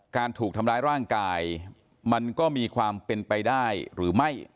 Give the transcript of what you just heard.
การถูกทำร้ายร่างกายมันก็มีความเป็นไปได้หรือไม่